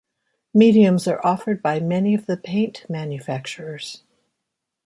Mediums are offered by many of the paint manufacturers.